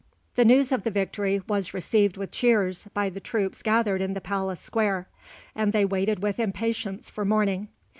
The news of the victory was received with cheers by the troops gathered in the palace square, and they waited with impatience for morning.